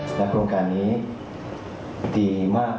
และโครงการนี้ดีมาก